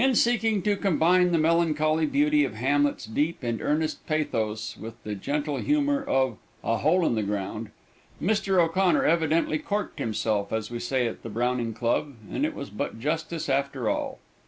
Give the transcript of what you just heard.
In seeking to combine the melancholy beauty of Hamlet's deep and earnest pathos with the gentle humor of "A Hole in the Ground," Mr. O'Connor evidently corked himself, as we say at the Browning Club, and it was but justice after all.